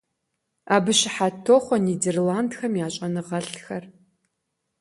Абы щыхьэт тохъуэ Нидерландхэм я щӀэныгъэлӀхэр.